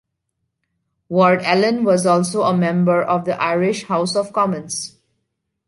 Lord Allen was also a member of the Irish House of Commons.